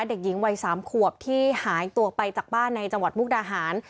เด็กหญิงวัย๓ขวบที่หายตัวไปจากบ้านในจังหวัดมุกดาหาร